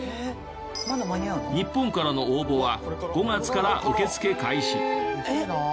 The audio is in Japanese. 日本からの応募は５月から受け付け開始。